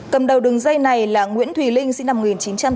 cầm đầu đường dây này là nguyễn thùy linh sinh năm một nghìn chín trăm tám mươi